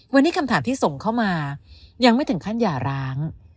วันนี้คำถามที่ส่งเข้ามายังไม่ถึงขั้นหย่าร้าง